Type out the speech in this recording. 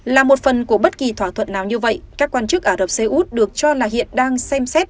là một phần của bất kỳ thỏa thuận nào như vậy các quan chức ả rập xê út được cho là hiện đang xem xét